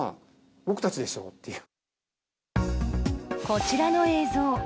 こちらの映像。